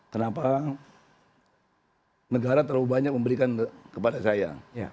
kenapa negara terlalu banyak memberikan kepada saya